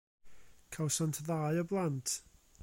Cawsant ddau o blant.